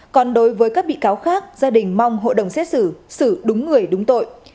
còn đối với các bị cáo khác gia đình mong hội đồng xét xử xử đúng người đúng tội